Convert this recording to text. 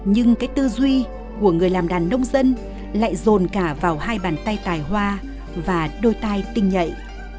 nhưng cái tư duy của người làm đàn nông dân lại dồn cả vào hai bàn tay tài hoa và đôi tay tinh nhạy